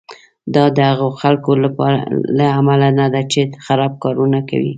دا د هغو خلکو له امله نه ده چې خراب کارونه کوي.